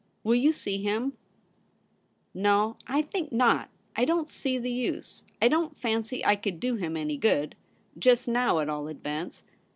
Will you see him ?'' No, I think not. I don't see the use ; I don't fancy I could do him any good — ^just now, at all events.